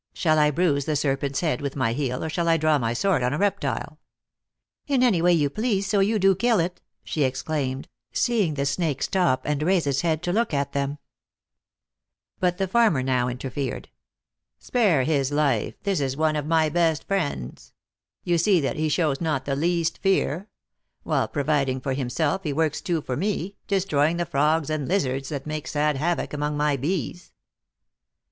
" Shall I bruise the serpent s head with my heel, or shall I draw my sword on a reptile ?"" In any way you please, so you do kill it," she 10 226 THE ACTKESS IN HIGH LIFE. exclaimed, seeing tlie snake stop and raise its head to look at them. But the farmer now interfered :" Spare his life, this is one of my best friends. You see that he shows not the least fear. While providing for himself, he works too for me, destroying the frogs and lizards that make sad havoc among my bees."